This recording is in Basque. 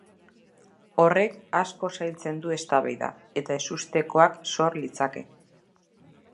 Horrek asko zailtzen du eztabaida, eta ezustekoak sor litzake.